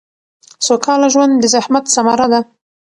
سوکاله ژوند د زحمت ثمره ده